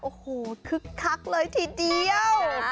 โอ้โหคึกคักเลยทีเดียว